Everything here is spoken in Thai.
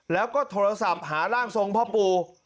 แล้วก็โทรศัพท์หาร่างทรงพ่อปู่